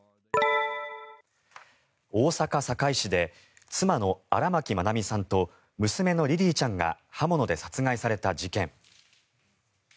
大阪・堺市で妻の荒牧愛美さんと娘のリリィちゃんが刃物で殺害された事件。